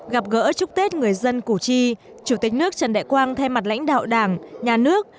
gặp gỡ chúc tết người dân củ chi chủ tịch nước trần đại quang thay mặt lãnh đạo đảng nhà nước